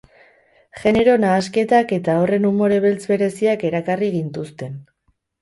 Genero nahasketak eta horren umore beltz bereziak erakarri gintuzten.